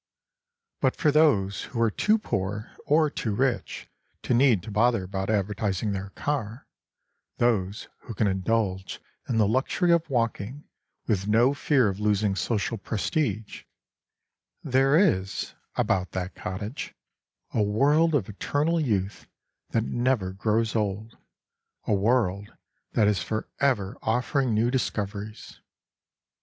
But for those who are too poor, or too rich, to need to bother about advertising their car—those who can indulge in the luxury of walking with no fear of losing social prestige—there is, about that cottage, a world of eternal youth that never grows old, a world that is for ever offering new discoveries.